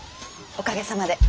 おかげさまで。